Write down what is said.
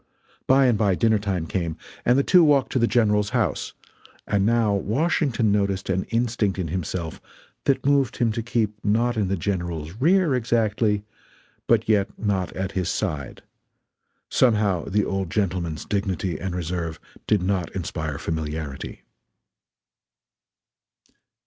By and by dinner time came, and the two walked to the General's house; and now Washington noticed an instinct in himself that moved him to keep not in the General's rear, exactly, but yet not at his side somehow the old gentleman's dignity and reserve did not inspire familiarity.